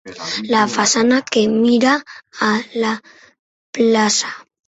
La façana que mira a la plaça.